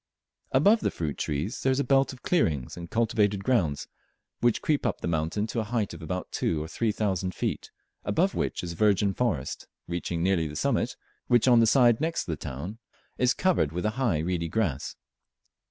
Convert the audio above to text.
Above the fruit trees there is a belt of clearings and cultivated grounds, which creep up the mountain to a height of between two and three thousand feet, above which is virgin forest, reaching nearly to the summit, which on the side next the town is covered with a high reedy grass.